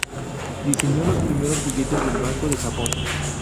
Diseñó los primeros billetes del banco de Japón.